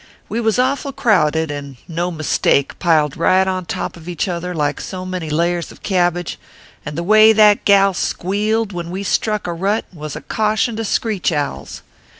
We was awful crowded, and no mistake piled right on top of each other, like so many layers of cabbage ; and the way that gal squealed when we struck a rut, was a caution to screech owls.